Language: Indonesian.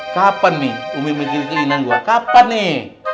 kapan nih ummih mikirin keinginan gue kapan nih